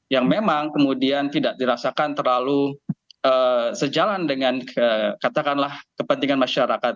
yang memang kemudian tidak dirasakan terlalu sejalan dengan katakanlah kepentingan masyarakat